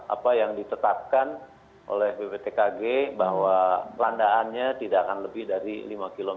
apa yang ditetapkan oleh bptkg bahwa landaannya tidak akan lebih dari lima km